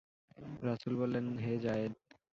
রাসূল বললেন, হে যায়েদ!